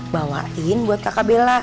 bawain buat kakak bella